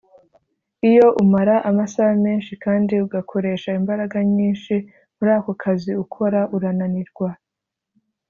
iyo umara amasaha menshi kandi ugakoresha imbaraga nyinshi muri ako kazi ukora urananirwa